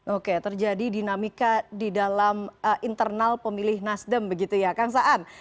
oke terjadi dinamika di dalam internal pemilih nasdem begitu ya kang saan